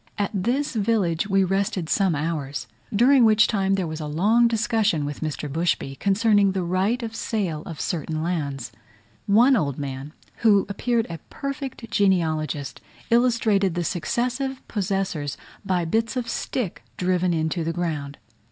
At this village we rested some hours, during which time there was a long discussion with Mr. Bushby, concerning the right of sale of certain lands. One old man, who appeared a perfect genealogist, illustrated the successive possessors by bits of stick driven into the ground.